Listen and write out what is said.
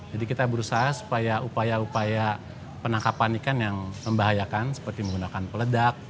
jadi kita berusaha supaya upaya upaya penangkapan ikan yang membahayakan seperti menggunakan peledak